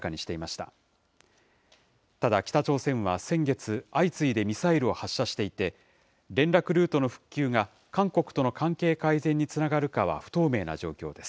ただ、北朝鮮は先月、相次いでミサイルを発射していて、連絡ルートの復旧が韓国との関係改善につながるかは不透明な状況です。